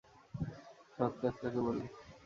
সৎ কাজ কাকে বলে?